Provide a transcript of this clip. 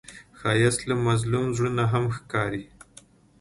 ښایست له مظلوم زړه نه هم ښکاري